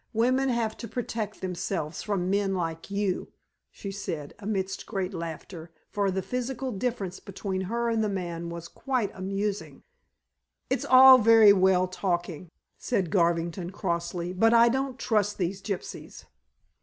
"Women have to protect themselves from men like you," she said, amidst great laughter, for the physical difference between her and the man was quite amusing. "It's all very well talking," said Garvington crossly. "But I don't trust these gypsies."